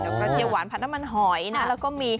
ดอกกระเจียวหวานผัดน้ำมันหอยนะ